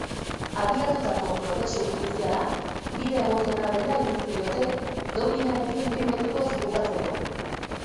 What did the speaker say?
Abiatutako prozesu judiziala bide egokiena dela iritzi diote dopinarekin behin betikoz bukatzeko.